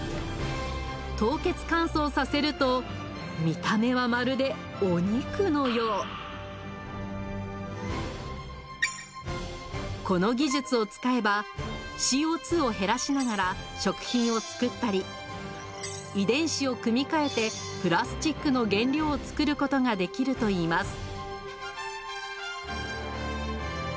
凍結乾燥させると見た目はまるでお肉のようこの技術を使えばＣＯを減らしながら食品を作ったり遺伝子を組み換えてプラスチックの原料を作ることができるといいます